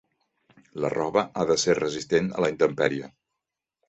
La roba ha de ser resistent a la intempèrie.